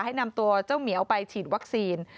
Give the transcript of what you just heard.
ให้นำตัวเจ้าเหมียวไปฉีดวัคซีน